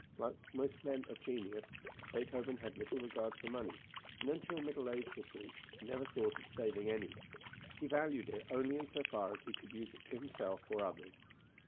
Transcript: Like most men of genius Beethoven had little regard for money, and until middle age was reached, never thought of saving any. He valued it only in so far as he could use it for himself or others.